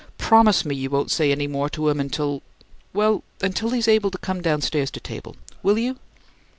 Promise me you won't say any more to him until well, until he's able to come downstairs to table. Will you?"